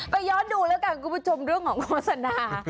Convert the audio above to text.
ไปยอดดูกันครับคุณผู้ชมเรื่องของโฆษณา